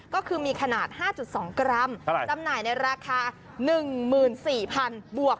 ก็คือมีขนาด๕๒กรัมจำหน่ายในราคา๑๔๐๐๐บวก